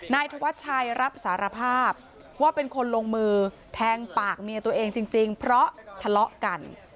นายธวัชชัยรับสารภาพว่าเป็นคนลงมือแทงปากเมียตัวเองจริงเพราะทะเลาะกัน